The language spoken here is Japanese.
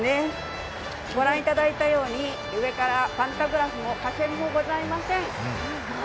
ご覧いただいたように、上からパンタグラフも架線もございません。